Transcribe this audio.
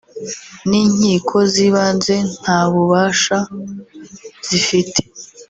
n’inkiko z’ibanze nta bubasha zifite